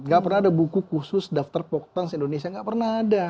gak pernah ada buku khusus daftar poktan di indonesia gak pernah ada